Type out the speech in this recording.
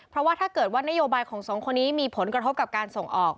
เพราะว่าถ้าเกิดว่านโยบายของสองคนนี้มีผลกระทบกับการส่งออก